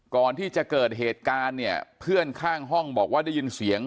ก่อนที่จะเกิดเหตุการณ์เนี่ยเพื่อนข้างห้องบอกว่าได้ยินเสียง